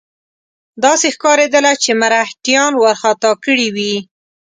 داسې ښکارېدله چې مرهټیان وارخطا کړي وي.